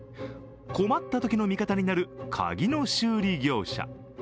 困ったときの味方になる鍵の修理業者。